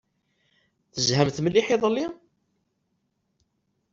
Tezhamt mliḥ iḍelli?